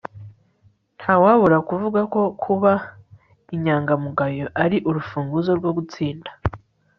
ntawabura kuvuga ko kuba inyangamugayo ari urufunguzo rwo gutsinda